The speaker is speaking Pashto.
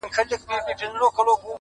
زما زړۀ کي فقط تۀ خلکو پیدا کړې ,